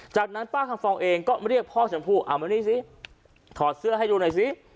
จากนั้นป้าคำฟองเองก็เรียกพ่อชมพู่เอามานี่สิถอดเสื้อให้ดูหน่อยสิ